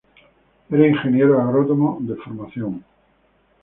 Era ingeniero agrónomo de formación.